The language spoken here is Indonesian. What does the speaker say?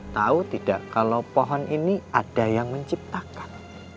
tahu tidak kalau pohon ini ada yang menciptakan